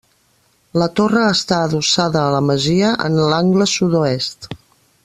La torre està adossada a la masia en l'angle sud-oest.